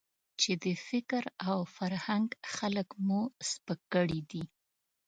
چې د فکر او فرهنګ خلک مو سپک کړي دي.